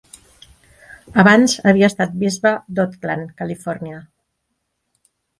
Abans havia estat bisbe d'Oakland, Califòrnia.